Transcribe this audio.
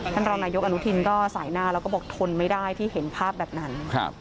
ท่านรองนายกอนุทินก็สายหน้าแล้วก็บอกทนไม่ได้ที่เห็นภาพแบบนั้น